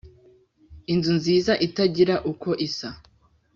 inzu nziza itagira uko isa